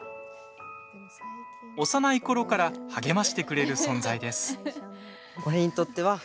幼いころから励ましてくれる存在です。